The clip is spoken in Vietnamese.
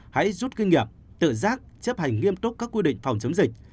hãy rút kinh nghiệm tự giác chấp hành nghiêm túc các quy định phòng chống dịch